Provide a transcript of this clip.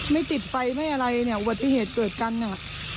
ไม่ติดไฟไม่อะไรเนี่ยอุบัติเหตุเกิดกันเนี่ย